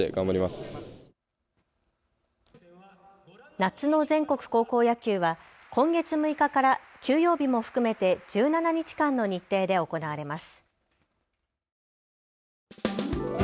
夏の全国高校野球は今月６日から休養日も含めて１７日間の日程で行われます。